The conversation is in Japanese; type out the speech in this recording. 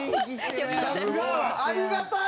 ありがたい！